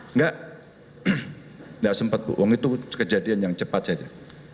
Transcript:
enggak enggak sempat bohong itu kejadian yang cepat saja